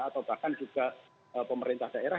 atau bahkan juga pemerintah daerah